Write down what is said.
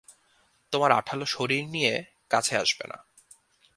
তোমার আঠালো শরীর নিয়ে কাছে আসবে না!